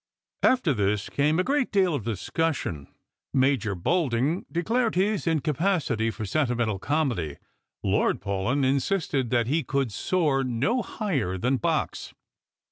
After this came a great deal of discussion. Major Bolding declared his incapacity for sentimental comedy; Lord Paulyn in sisted that he could soar no higher than Box.